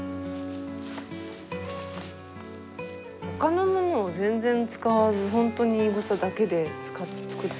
他のものを全然使わずホントにいぐさだけで作ってるんですね。